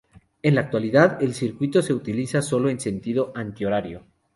En la actualidad, el circuito se utiliza solo en sentido anti horario.